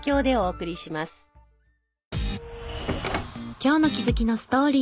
今日の気づきのストーリー。